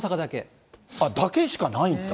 だけしかないんだ。